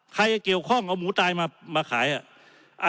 ใครจะเกี่ยวข้องเอาหมูตายมาขายอ่ะ